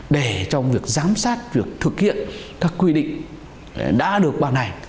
để trong việc giám sát việc thực hiện các quy định đã được ban hành